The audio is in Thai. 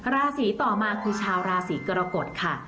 ราศีต่อมาคือชาวราศีกรกฎค่ะ